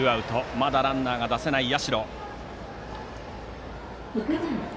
まだランナーが出せない社。